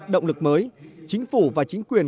động lực mới chính phủ và chính quyền